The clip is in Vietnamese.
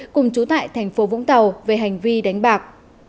cùng trú tại tp cao lãnh về hành vi đánh bạc